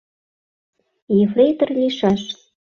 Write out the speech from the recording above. Ефрейтор лийшаш.